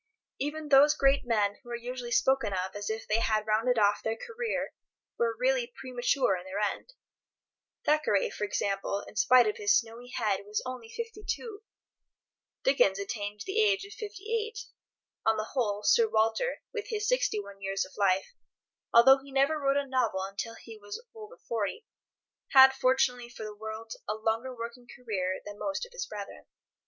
Even those great men who are usually spoken of as if they had rounded off their career were really premature in their end. Thackeray, for example, in spite of his snowy head, was only 52; Dickens attained the age of 58; on the whole, Sir Walter, with his 61 years of life, although he never wrote a novel until he was over 40, had, fortunately for the world, a longer working career than most of his brethren.